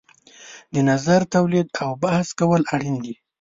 د نظر تولید او بحث کول اړین دي.